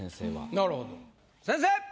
なるほど先生！